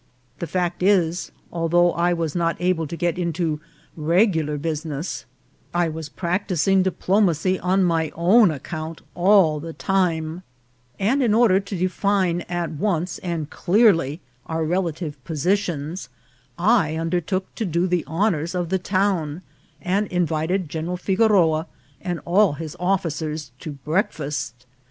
The fact is, although I was not able to get into regular bu siness, I was practising diplomacy on my own account all the time ; and in order to define at once and clearly our relative positions, I undertook to do the honours of the town, and invited General Figoroa and all his offi cers to breakfast.